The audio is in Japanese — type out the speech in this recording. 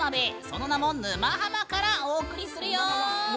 その名もぬま浜からお送りするよ。